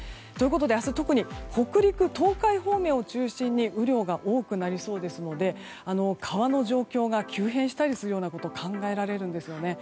明日、特に北陸・東海方面を中心に雨量が多くなりそうですので川の状況が急変したりするようなことが考えられるんですよね。